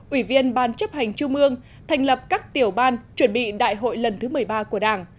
ủy viên ban chấp hành trung ương thành lập các tiểu ban chuẩn bị đại hội lần thứ một mươi ba của đảng